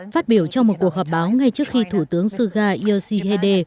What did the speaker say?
phát biểu trong một cuộc họp báo ngay trước khi thủ tướng suga yoshihide